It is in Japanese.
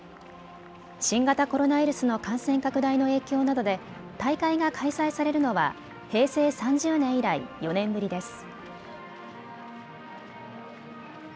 新型コロナウイルスの感染拡大の影響などで大会が開催されるのは平成３０年以来、４年ぶりです。